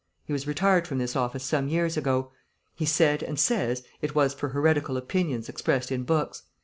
He was retired from this office some years ago; he said and says it was for heretical opinions expressed in books.